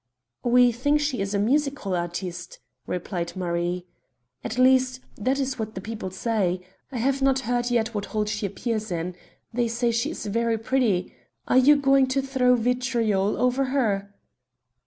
"We think she is a music hall artiste," replied Marie. "At least, that is what the people say. I have not heard yet what hall she appears in. They say she is very pretty. Are you going to throw vitriol over her?"